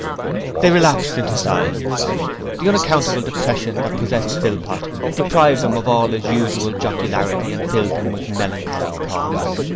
They relapsed into silence. The unaccountable depression that possessed Philpot deprived him of all his usual jocularity and filled him with melancholy thoughts.